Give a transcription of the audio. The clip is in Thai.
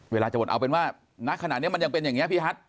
เวลาจะหมดเอาเป็นว่าณขณะนี้มันยังเป็นอย่างนี้พี่ฮัท